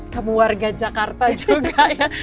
kamu warga jakarta juga ya